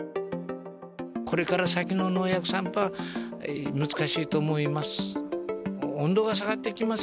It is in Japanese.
これから先の農薬散布は、難しいと思います。